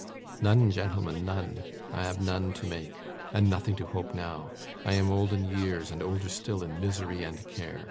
'None, gentlemen, none! I have none to make, and nothing to hope now. I am old in years, and older still in misery and care.